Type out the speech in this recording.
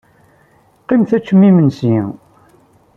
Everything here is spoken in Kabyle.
Qqimet ad teččem imensi.